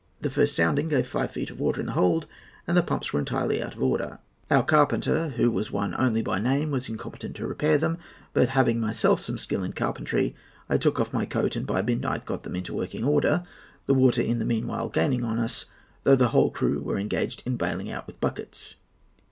The first sounding gave five feet of water in the hold, and the pumps were entirely out of order. Our carpenter, who was only one by name, was incompetent to repair them; but, having myself some skill in carpentry, I took off my coat, and by midnight, got them into working order, the water in the meanwhile gaining on us, though the whole crew were engaged in baling it out with buckets.